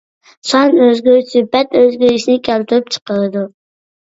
سان ئۆزگىرىشى سۈپەت ئۆزگىرىشىنى كەلتۈرۈپ چىقىرىدۇ.